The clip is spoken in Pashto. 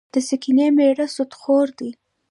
د سنګینې میړه سودخور دي.